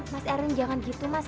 mas erwin jangan gitu mas